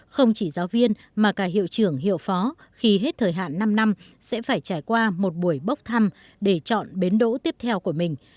không chỉ giáo viên mà cả hiệu trưởng hiệu phó khi hết thời hạn năm năm sẽ phải trải qua một buổi bốc thăm để chọn bến đỗ tiếp theo của mình